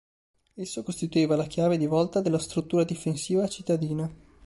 Esso costituiva la chiave di volta della struttura difensiva cittadina.